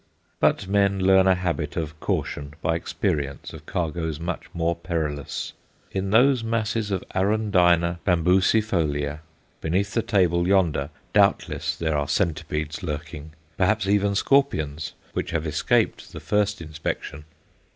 But men learn a habit of caution by experience of cargoes much more perilous. In those masses of Arundina bambusæfolia beneath the table yonder doubtless there are centipedes lurking, perhaps even scorpions, which have escaped the first inspection.